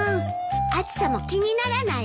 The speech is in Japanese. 暑さも気にならないわ。